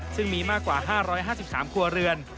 ซึ่งมีมากกว่า๕๕๓ครัวเรือน